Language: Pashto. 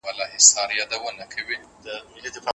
جرأت انسان وده ورکوي.